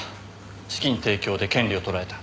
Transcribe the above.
資金提供で権利を取られた。